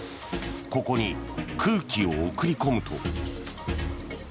ここに空気を送り込むと。